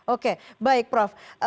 oke baik prof